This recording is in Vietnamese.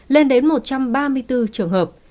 lên đến một trăm ba mươi bốn trường hợp